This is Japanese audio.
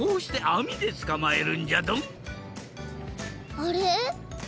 あれ？